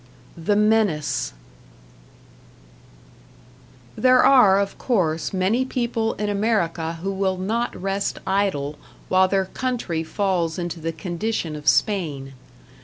#The Menace# There are, of course, many people in America who will not rest idle while their country falls into the condition of Spain.